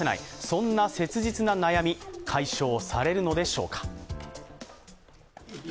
そんな切実な悩み解消されるのでしょうか。